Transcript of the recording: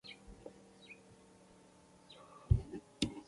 د امانتدارۍ، صداقت او راستۍ په ترڅ کې خپل کردار پاک او ښکلی وساتي.